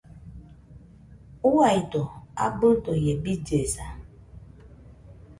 Uaido, abɨdo ie billesa.